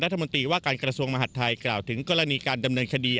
ของภาษาอาหารไทยกล่าวถึงกรณีการดำเนินคดี